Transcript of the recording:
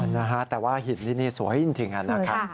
อ๋อนะฮะแต่ว่าหินที่นี่สวยจริงนะค่ะ